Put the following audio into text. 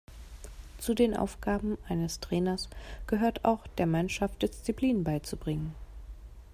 Zu den Aufgaben eines Trainers gehört auch, der Mannschaft Disziplin beizubringen.